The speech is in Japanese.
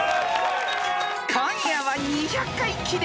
［今夜は２００回記念］